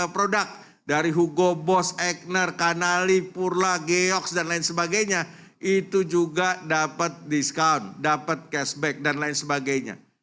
produk dari hugo boss ackner canali purla gheox dan lain sebagainya itu juga dapat diskon dapat cashback dan lain sebagainya